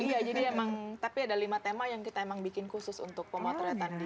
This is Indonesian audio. iya jadi emang tapi ada lima tema yang kita emang bikin khusus untuk pemotretan